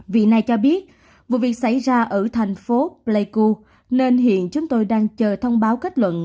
vì này cho biết vụ việc xảy ra ở thành phố pleiku nên hiện chúng tôi đang chờ thông báo kết luận